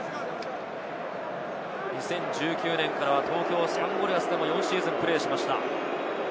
２０１９年からは東京サンゴリアスで４シーズンプレーしました。